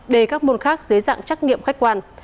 để các môn khác dưới dạng trắc nghiệm khách quan